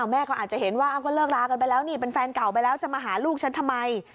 แม่ก็อาจจะเห็นว่าก็เลิกรากันไปแล้วนี่เป็นแฟนเก่าไปแล้วจะมาหาลูกฉันทำไม